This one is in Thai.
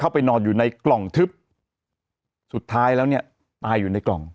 ไปนอนอยู่ในกล่องทึบสุดท้ายแล้วเนี่ยตายอยู่ในกล่อง